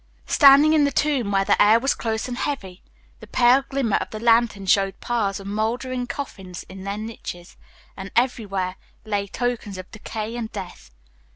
Standing in the tomb where the air was close and heavy, the pale glimmer of the lantern showed piles of moldering coffins in the niches, and everywhere lay tokens of decay and death.